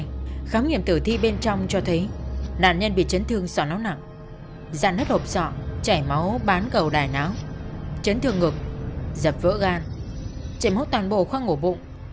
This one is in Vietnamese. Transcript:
kết quả khám nghiệm tử thi bên trong cho thấy nạn nhân bị chấn thương sọ náo nặng dạn hết hộp sọ chảy máu bán cầu đài náo chấn thương ngực dập vỡ gan chảy mốt toàn bộ khoác ngổ bụng